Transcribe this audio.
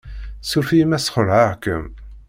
Suref-iyi ma ssxelεeɣ-kem.